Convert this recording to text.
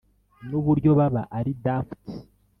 nuburyo baba ari daft.